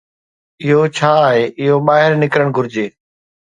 اهو ڇا آهي، اهو ٻاهر نڪرڻ گهرجي.